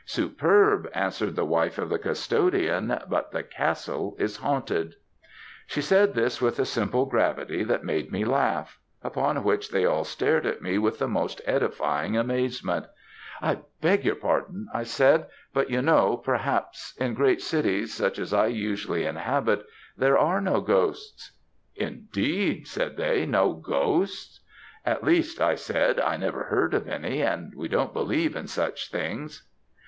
"'Superb,' answered the wife of the custodian; 'but the castle is haunted.' "She said this with a simple gravity that made me laugh; upon which they all stared at me with the most edifying amazement. "'I beg your pardon,' I said; 'but you know, perhaps, in great cities, such as I usually inhabit, there are no ghosts.' "'Indeed!' said they. 'No ghosts!' "'At least,' I said, 'I never heard of any; and we don't believe in such things.'